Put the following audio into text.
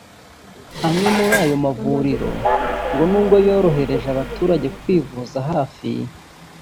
Amwe muri ayo mavuriro ngo n’ubwo yorohereje abaturage kwivuza hafi